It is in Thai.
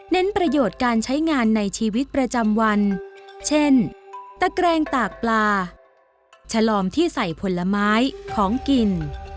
ประโยชน์การใช้งานในชีวิตประจำวันเช่นตะแกรงตากปลาฉลอมที่ใส่ผลไม้ของกิน